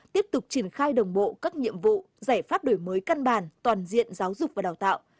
tiếp tục triển khai đồng bộ các nhiệm vụ giải pháp đổi mới căn bản toàn diện giáo dục và đào tạo